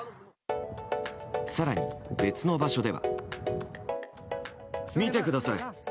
更に、別の場所では。